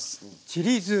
ちり酢。